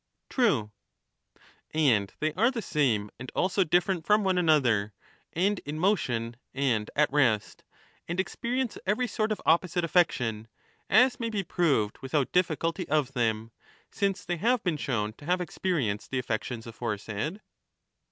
True. And they are the same and also different from one another, and in motion and at rest, and experience every sort of opposite affection, as may be proved without diflBculty of them, since they have been shown to have experienced the affections aforesaid